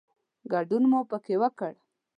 ګډون مو پکې وکړ.